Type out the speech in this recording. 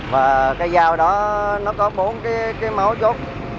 và cây dao đó nó có bốn cái máu chốt